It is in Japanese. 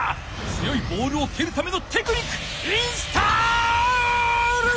強いボールをけるためのテクニックインストール！